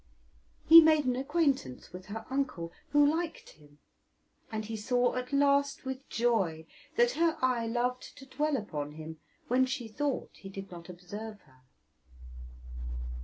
He made an acquaintance with her uncle, who liked him, and he saw at last with joy that her eye loved to dwell upon him when she thought he did not observe her.